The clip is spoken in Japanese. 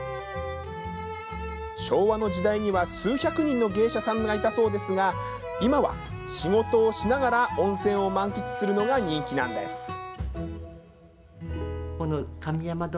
昭和の時代には数百人の芸者さんがいたそうですが、今は仕事をしながら温泉を満喫するのが人気なんです。